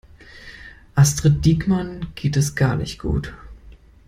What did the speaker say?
Astrid Diekmann geht es gar nicht gut.